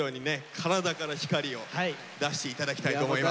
体から光を出していただきたいと思います。